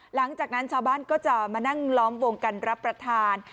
หลังจากนั้นชาวบ้านก็จะมานั่งล้อมวงกันรับประทาน